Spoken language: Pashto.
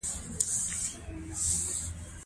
زموږ د انګړ په وره کې یو سورى و.